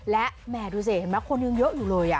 และแหมดูสิเห็นมั้ยคนยังเยอะอยู่เลยอ่ะ